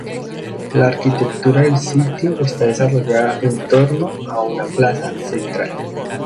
La arquitectura del sitio está desarrollada en torno a una plaza central.